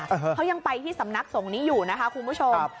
เขายังไปที่สำนักสงฆ์นี้อยู่นะคะคุณผู้ชม